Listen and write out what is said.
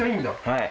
はい。